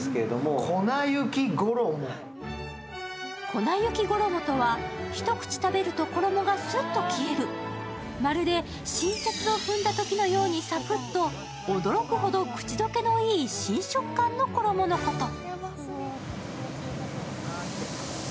粉雪衣とは一口食べると衣がスッと消える、まるで新雪を踏んだときのようにサクッと驚くほど口溶けのいい新食感のこと。